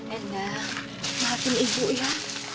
endang maafin ibu ya